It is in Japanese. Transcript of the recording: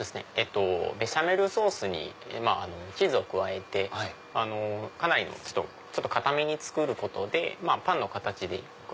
ベシャメルソースにチーズを加えてかなり硬めに作ることでパンの形に。